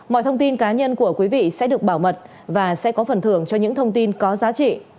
mọi thông tin cá nhân của quý vị sẽ được bảo mật và sẽ có phần thưởng cho những thông tin có giá trị